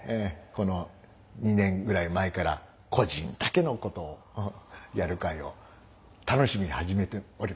この２年ぐらい前から個人だけのことをやる会を楽しみに始めております。